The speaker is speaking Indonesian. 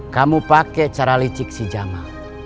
kamu pakai cara licik si jama